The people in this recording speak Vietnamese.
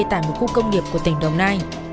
tại một khu công nghiệp của tỉnh đồng nai